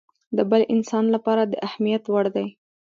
د بل انسان لپاره د اهميت وړ دی.